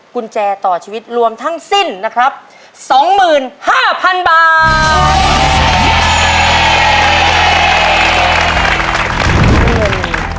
กุญแจต่อชีวิตรวมทั้งสิ้นนะครับสองหมื่นห้าพันบาท